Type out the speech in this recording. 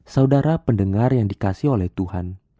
saudara pendengar yang dikasih oleh tuhan